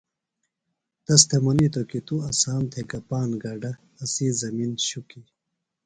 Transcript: تس تھےۡ منِیتوۡ کی تُوۡ اسام تھےۡ گہ پاند گڈہ، اسی زمن شُکیۡ۔